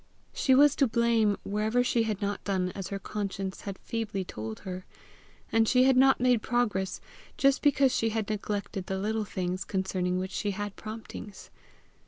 She was to blame wherever she had not done as her conscience had feebly told her; and she had not made progress just because she had neglected the little things concerning which she had promptings.